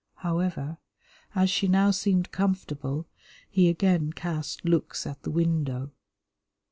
However, as she now seemed comfortable, he again cast looks at the window.